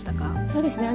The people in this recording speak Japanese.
そうですね。